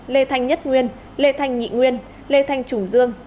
lê thanh nhất nguyên lê thanh nghị nguyên lê thanh trùng dương